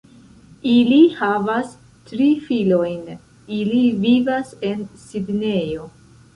Ili havas tri filojn, ili vivas en Sidnejo.